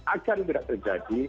agar tidak terjadi